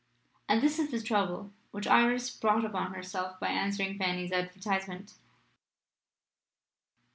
And this is the trouble which Iris brought upon herself by answering Fanny's advertisement.